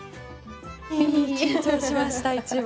緊張しました一番。